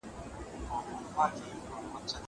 که ورټکوهي مېخونه